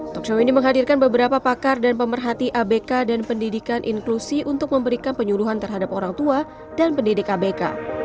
talkshow ini menghadirkan beberapa pakar dan pemerhati abk dan pendidikan inklusi untuk memberikan penyuluhan terhadap orang tua dan pendidik abk